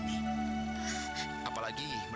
apalagi melihatmu berkembang dengan tantri